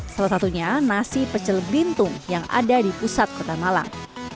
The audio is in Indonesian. salah satunya nasi pecel bintung yang ada di pusat kota malang